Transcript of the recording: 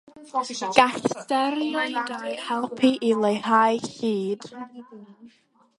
Gall steroidau helpu i leihau llid.